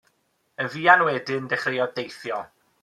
Yn fuan wedyn, dechreuodd deithio.